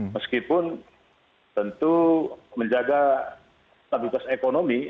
meskipun tentu menjaga stabilitas ekonomi